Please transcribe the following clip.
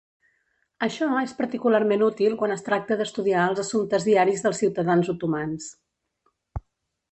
Això és particularment útil quan es tracta d'estudiar els assumptes diaris dels ciutadans otomans.